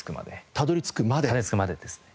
たどり着くまでですね。